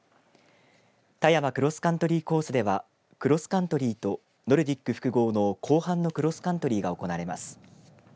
田山クロスカントリーコースではクロスカントリーとノルディック複合の後半のクロスカントリーが行われます。